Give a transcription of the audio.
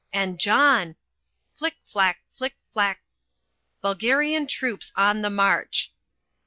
and John Flick, flack, flick, flack. "BULGARIAN TROOPS ON THE MARCH."